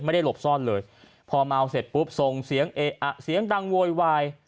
ไม่ได้หลบซ่อนเลยพอเมาเศษปุ๊บเสียงเด็งโหยวาย